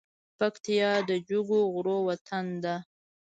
پکتیا د جګو غرو وطن ده .